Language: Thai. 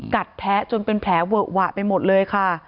แทะจนเป็นแผลเวอะหวะไปหมดเลยค่ะ